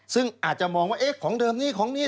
ซึ่งอาจจะมองว่าเอ๊ะของเดิมนี้ของนี้